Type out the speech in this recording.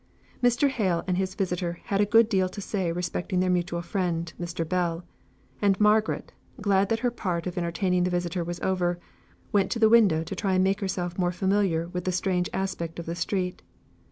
Mr. Hale and his visitor had a good deal to say respecting their mutual friend, Mr. Bell; and Margaret, glad that her part of entertaining the visitor was over, went to the window to try and make herself more familiar with the strange aspect of the street.